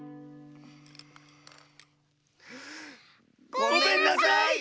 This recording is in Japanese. ごめんなさい！